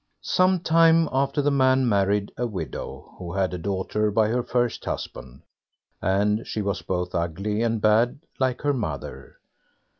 Some time after the man married a widow, who had a daughter by her first husband, and she was both ugly and bad, like her mother.